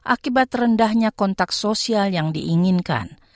akibat rendahnya kontak sosial yang diinginkan